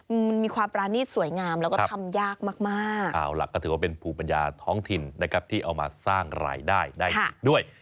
มันมีความปรานีตสวยงามแล้วก็ทำยากมากมากเอาล่ะก็ถือว่าเป็นภูมิปัญญาท้องถิ่นนะครับที่เอามาสร้างรายได้ได้อีกด้วย